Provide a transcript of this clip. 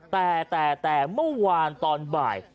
แต่แต่เมื่อวานตอนบ่าย